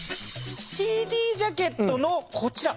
ＣＤジャケットのこちら。